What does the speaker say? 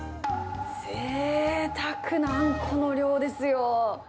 ぜいたくなあんこの量ですよ。